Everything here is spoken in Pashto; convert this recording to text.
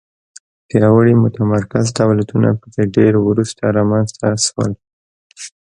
پیاوړي متمرکز دولتونه په کې ډېر وروسته رامنځته شول.